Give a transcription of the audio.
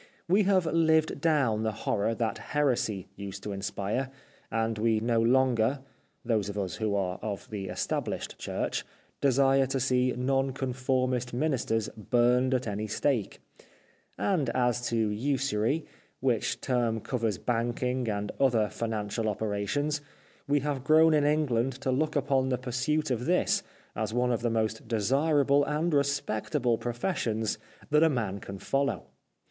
We have lived down the horror that heresy used to inspire, and we no longer — those of us who are of the Established Church — desire to see Non Conformist Ministers burned at any stake ; and as to usury, which term covers banking and other financial operations, we have grown in England to look upon the pursuit of this as one of the most desirable and respectable professions that a man can follow.